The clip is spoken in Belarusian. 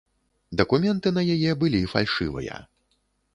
Дакументы на яе былі фальшывыя.